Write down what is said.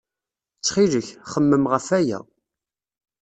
Ttxil-k, xemmem ɣef waya.